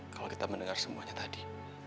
kalau kita mendengar semuanya tadi